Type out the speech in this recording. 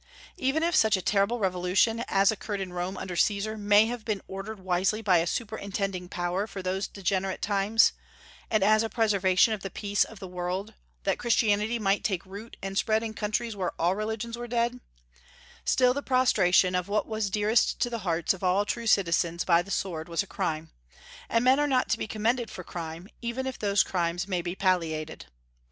Even if such a terrible revolution as occurred in Rome under Caesar may have been ordered wisely by a Superintending Power for those degenerate times, and as a preservation of the peace of the world, that Christianity might take root and spread in countries where all religions were dead, still, the prostration of what was dearest to the hearts of all true citizens by the sword was a crime; and men are not to be commended for crime, even if those crimes may be palliated.